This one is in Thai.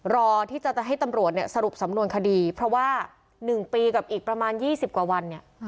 รอที่จะให้ตำรวจเนี่ยสรุปสำนวนคดีเพราะว่า๑ปีกับอีกประมาณ๒๐กว่าวันเนี่ย